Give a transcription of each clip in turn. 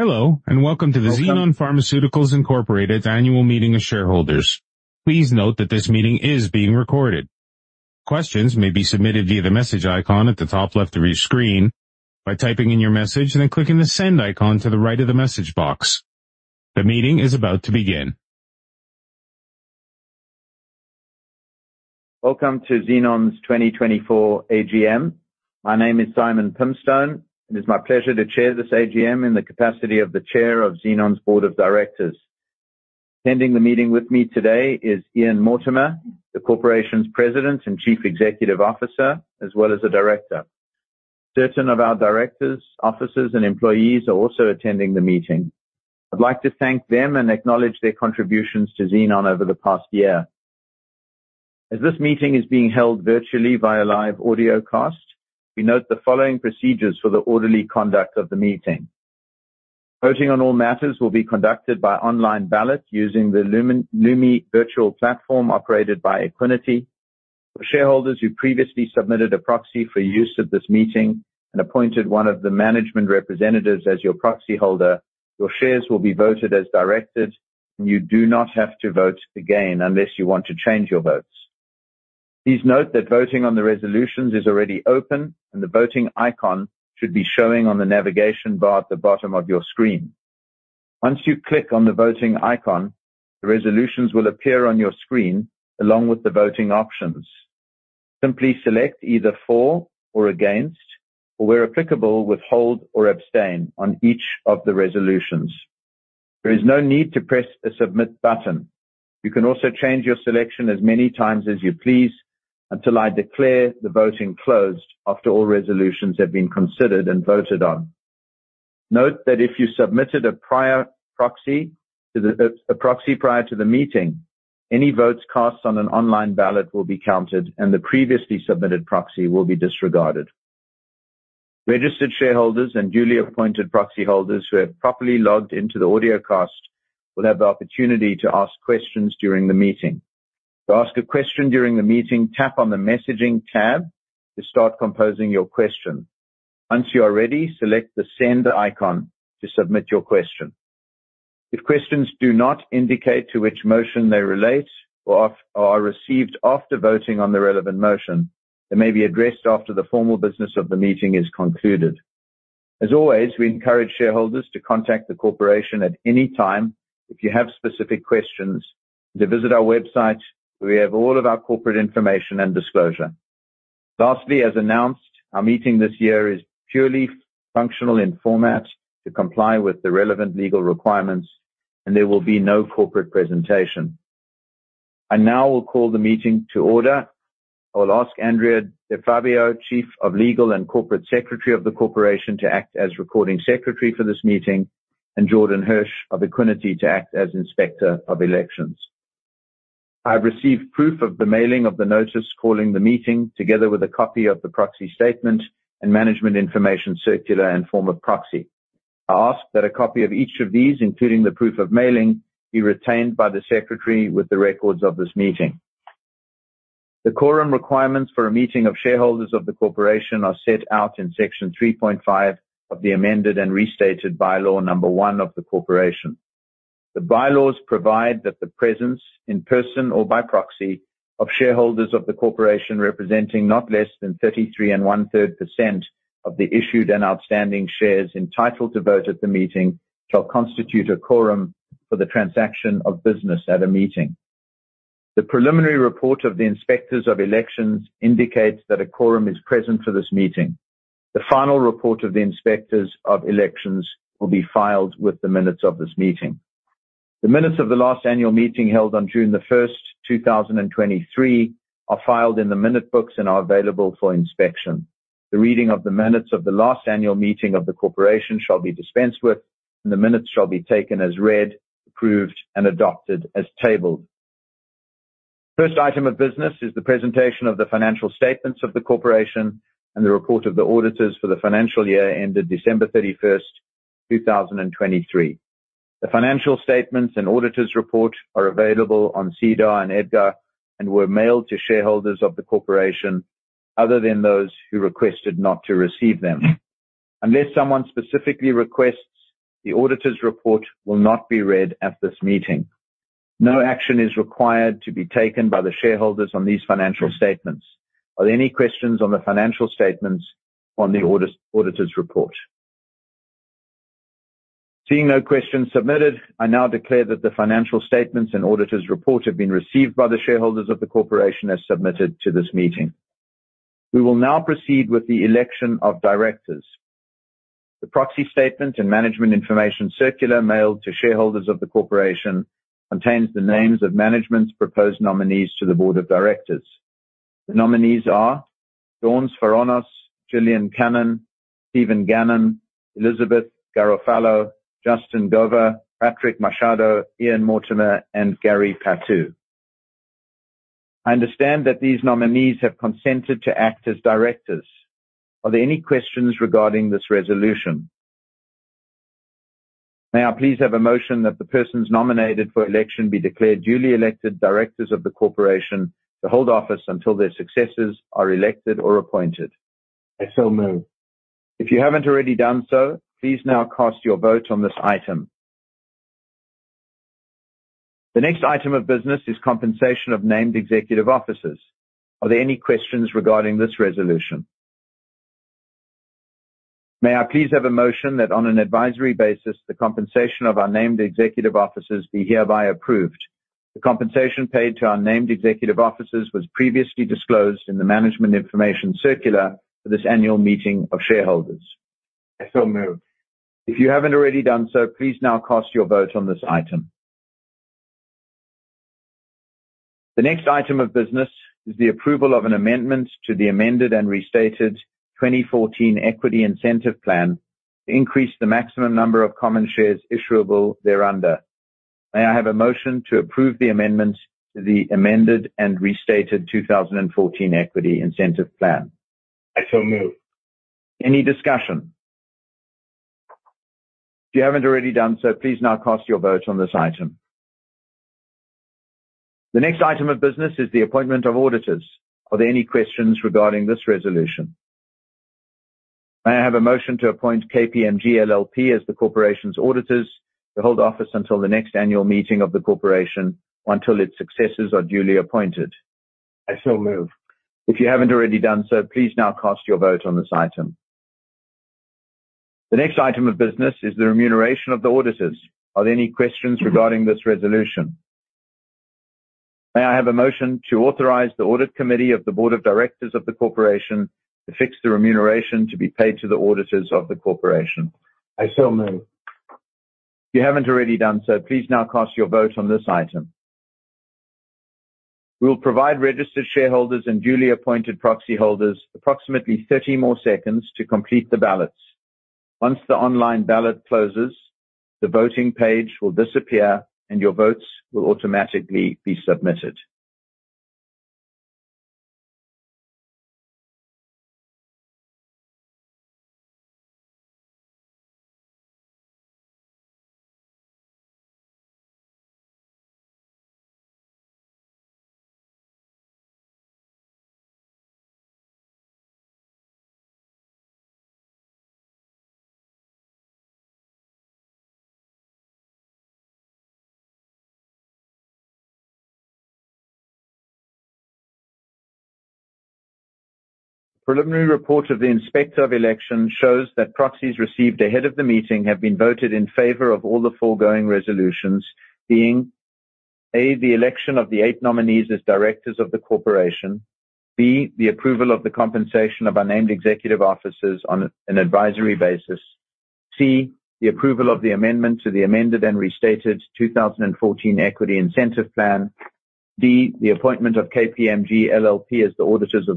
Hello, and welcome to the Xenon Pharmaceuticals Incorporated Annual Meeting of Shareholders. Please note that this meeting is being recorded. Questions may be submitted via the message icon at the top left of your screen by typing in your message and then clicking the send icon to the right of the message box. The meeting is about to begin. Welcome to Xenon's 2024 AGM. My name is Simon Pimstone, and it's my pleasure to chair this AGM in the capacity of the Chair of Xenon's Board of Directors. Attending the meeting with me today is Ian Mortimer, the corporation's President and Chief Executive Officer, as well as a director. Certain of our directors, officers, and employees are also attending the meeting. I'd like to thank them and acknowledge their contributions to Xenon over the past year. As this meeting is being held virtually via live audio cast, we note the following procedures for the orderly conduct of the meeting. Voting on all matters will be conducted by online ballot using the Lumi Virtual Platform, operated by Equiniti. For shareholders who previously submitted a proxy for use at this meeting and appointed one of the management representatives as your proxy holder, your shares will be voted as directed, and you do not have to vote again unless you want to change your votes. Please note that voting on the resolutions is already open, and the voting icon should be showing on the navigation bar at the bottom of your screen. Once you click on the voting icon, the resolutions will appear on your screen, along with the voting options. Simply select either for or against, or where applicable, withhold or abstain on each of the resolutions. There is no need to press a submit button. You can also change your selection as many times as you please until I declare the voting closed after all resolutions have been considered and voted on. Note that if you submitted a prior proxy to the, a proxy prior to the meeting, any votes cast on an online ballot will be counted, and the previously submitted proxy will be disregarded. Registered shareholders and duly appointed proxy holders who have properly logged into the audio cast will have the opportunity to ask questions during the meeting. To ask a question during the meeting, tap on the messaging tab to start composing your question. Once you are ready, select the send icon to submit your question. If questions do not indicate to which motion they relate or are received after voting on the relevant motion, they may be addressed after the formal business of the meeting is concluded. As always, we encourage shareholders to contact the corporation at any time if you have specific questions, to visit our website where we have all of our corporate information and disclosure. Lastly, as announced, our meeting this year is purely functional in format to comply with the relevant legal requirements, and there will be no corporate presentation. I now will call the meeting to order. I will ask Andrea DiFabio, Chief of Legal and Corporate Secretary of the corporation, to act as recording secretary for this meeting, and Jordan Hirsch of Equiniti to act as Inspector of Elections. I have received proof of the mailing of the notice calling the meeting, together with a copy of the proxy statement and management information circular and form of proxy. I ask that a copy of each of these, including the proof of mailing, be retained by the secretary with the records of this meeting. The quorum requirements for a meeting of shareholders of the corporation are set out in Section 3.5 of the amended and restated Bylaw Number One of the corporation. The bylaws provide that the presence in person or by proxy of shareholders of the corporation, representing not less than 33 1/3% of the issued and outstanding shares entitled to vote at the meeting, shall constitute a quorum for the transaction of business at a meeting. The preliminary report of the Inspectors of Elections indicates that a quorum is present for this meeting. The final report of the Inspectors of Elections will be filed with the minutes of this meeting. The minutes of the last annual meeting, held on June 1, 2023, are filed in the minute books and are available for inspection. The reading of the minutes of the last annual meeting of the corporation shall be dispensed with, and the minutes shall be taken as read, approved, and adopted as tabled. First item of business is the presentation of the financial statements of the corporation and the report of the auditors for the financial year ended December 31, 2023. The financial statements and auditor's report are available on SEDAR and EDGAR and were mailed to shareholders of the corporation, other than those who requested not to receive them. Unless someone specifically requests, the auditor's report will not be read at this meeting. No action is required to be taken by the shareholders on these financial statements. Are there any questions on the financial statements on the audit, auditor's report? Seeing no questions submitted, I now declare that the financial statements and auditor's report have been received by the shareholders of the corporation as submitted to this meeting. We will now proceed with the election of directors. The Proxy Statement and Management Information Circular mailed to shareholders of the corporation contains the names of management's proposed nominees to the Board of Directors. The nominees are Dawn Svoronos, Gillian Cannon, Steven Gannon, Elizabeth Garofalo, Justin Gover, Patrick Machado, Ian Mortimer, and Gary Patou. I understand that these nominees have consented to act as directors. Are there any questions regarding this resolution?... May I please have a motion that the persons nominated for election be declared duly elected directors of the corporation to hold office until their successors are elected or appointed? I so move. If you haven't already done so, please now cast your vote on this item. The next item of business is compensation of named executive officers. Are there any questions regarding this resolution? May I please have a motion that on an advisory basis, the compensation of our named executive officers be hereby approved. The compensation paid to our named executive officers was previously disclosed in the management information circular for this annual meeting of shareholders. I so move. If you haven't already done so, please now cast your vote on this item. The next item of business is the approval of an amendment to the amended and restated 2014 Equity Incentive Plan to increase the maximum number of common shares issuable thereunder. May I have a motion to approve the amendments to the amended and restated 2014 Equity Incentive Plan? I so move. Any discussion? If you haven't already done so, please now cast your vote on this item. The next item of business is the appointment of auditors. Are there any questions regarding this resolution? May I have a motion to appoint KPMG LLP as the corporation's auditors to hold office until the next annual meeting of the corporation or until its successors are duly appointed. I so move. If you haven't already done so, please now cast your vote on this item. The next item of business is the remuneration of the auditors. Are there any questions regarding this resolution? May I have a motion to authorize the Audit Committee of the Board of Directors of the Corporation to fix the remuneration to be paid to the auditors of the corporation. I so move. If you haven't already done so, please now cast your vote on this item. We will provide registered shareholders and duly appointed proxy holders approximately 30 more seconds to complete the ballots. Once the online ballot closes, the voting page will disappear and your votes will automatically be submitted. Preliminary report of the Inspector of Election shows that proxies received ahead of the meeting have been voted in favor of all the foregoing resolutions, being, A, the election of the 8 nominees as directors of the corporation. B, the approval of the compensation of our named executive officers on an advisory basis. C, the approval of the amendment to the amended and restated 2014 Equity Incentive Plan. D, the appointment of KPMG LLP as the auditors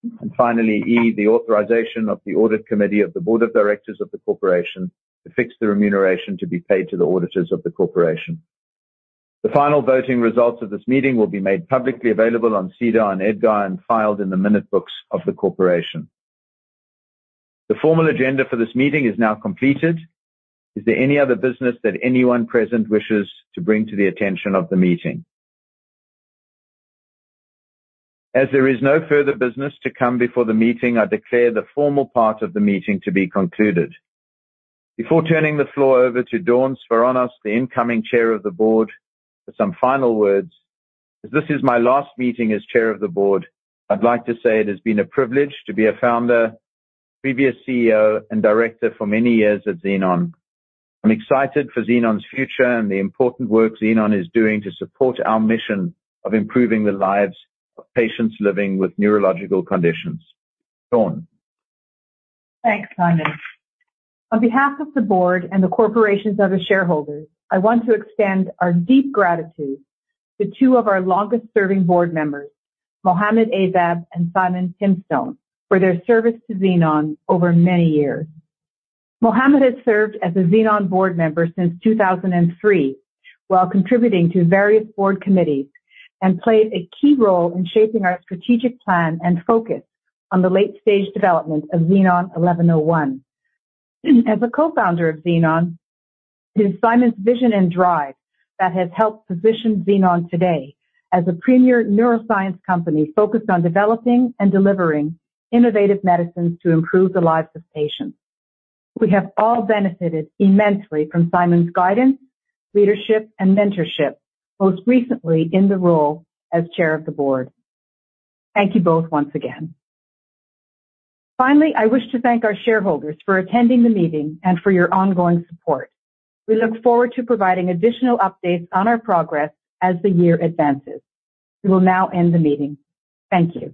of the corporation. Finally, E, the authorization of the Audit Committee of the Board of Directors of the Corporation to fix the remuneration to be paid to the auditors of the corporation. The final voting results of this meeting will be made publicly available on SEDAR and EDGAR, and filed in the minute books of the corporation. The formal agenda for this meeting is now completed. Is there any other business that anyone present wishes to bring to the attention of the meeting? As there is no further business to come before the meeting, I declare the formal part of the meeting to be concluded. Before turning the floor over to Dawn Svoronos, the incoming Chair of the Board, for some final words, as this is my last meeting as Chair of the Board, I'd like to say it has been a privilege to be a founder, previous CEO, and director for many years at Xenon. I'm excited for Xenon's future and the important work Xenon is doing to support our mission of improving the lives of patients living with neurological conditions. Dawn. Thanks, Simon. On behalf of the board and the corporation's other shareholders, I want to extend our deep gratitude to two of our longest-serving board members, Mohammad Azab and Simon Pimstone, for their service to Xenon over many years. Mohammad has served as a Xenon board member since 2003, while contributing to various board committees, and played a key role in shaping our strategic plan and focus on the late-stage development of Xenon 1101. As a co-founder of Xenon, it is Simon's vision and drive that has helped position Xenon today as a premier neuroscience company focused on developing and delivering innovative medicines to improve the lives of patients. We have all benefited immensely from Simon's guidance, leadership, and mentorship, most recently in the role as chair of the board. Thank you both once again. Finally, I wish to thank our shareholders for attending the meeting and for your ongoing support. We look forward to providing additional updates on our progress as the year advances. We will now end the meeting. Thank you.